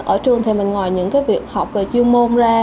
ở trường thì bên ngoài những việc học về chuyên môn ra